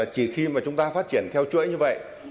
chỉ khi mà chúng ta phát triển theo chuỗi như vậy